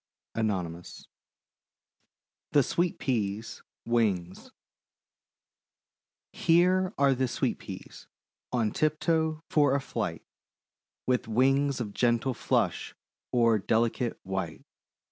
ANON. THE SWEET PEAS' WINGS Here are Sweet Peas, on tiptoe for a flight; With wings of gentle flush o'er delicate white.